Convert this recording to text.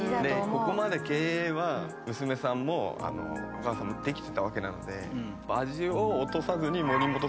ここまで経営は娘さんもお母さんもできてたわけなので。